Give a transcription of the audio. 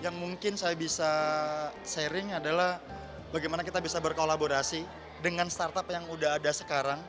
yang mungkin saya bisa sharing adalah bagaimana kita bisa berkolaborasi dengan startup yang udah ada sekarang